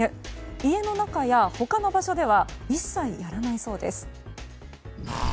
家の中や他の場所では一切やらないそうです。